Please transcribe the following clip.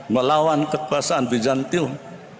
melawan kekuasaan bijantium